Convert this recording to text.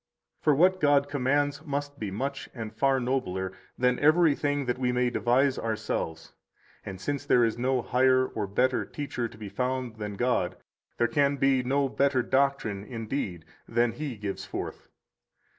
113 For what God commands must be much and far nobler than everything that we may devise ourselves; and since there is no higher or better teacher to be found than God, there can be no better doctrine, indeed, than He gives forth.